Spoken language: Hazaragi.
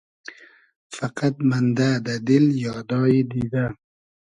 فئقئد مئندۂ دۂ دیل یادای دیدۂ